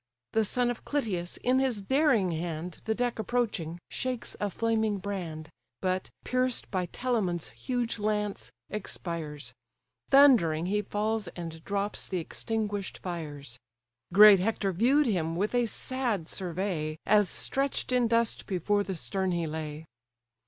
The son of Clytius in his daring hand, The deck approaching, shakes a flaming brand; But, pierced by Telamon's huge lance, expires: Thundering he falls, and drops the extinguish'd fires. Great Hector view'd him with a sad survey, As stretch'd in dust before the stern he lay.